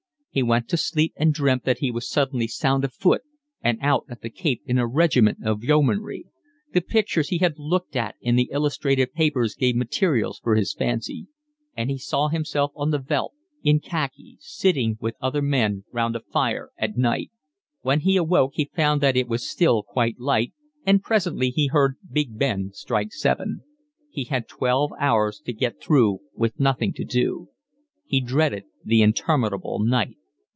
He went to sleep and dreamt that he was suddenly sound of foot and out at the Cape in a regiment of Yeomanry; the pictures he had looked at in the illustrated papers gave materials for his fancy; and he saw himself on the Veldt, in khaki, sitting with other men round a fire at night. When he awoke he found that it was still quite light, and presently he heard Big Ben strike seven. He had twelve hours to get through with nothing to do. He dreaded the interminable night.